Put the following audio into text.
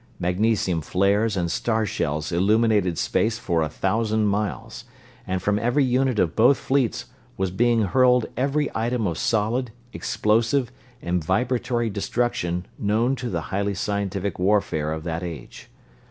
Magnesium flares and star shells illuminated space for a thousand miles, and from every unit of both fleets was being hurled every item of solid, explosive, and vibratory destruction known to the highly scientific warfare of that age.